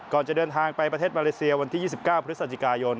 จะเดินทางไปประเทศมาเลเซียวันที่๒๙พฤศจิกายน